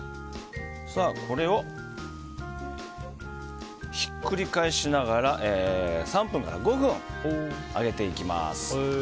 これをひっくり返しながら３分から５分揚げていきます。